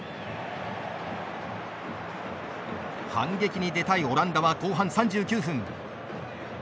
反撃にでたいオランダは後半３９分。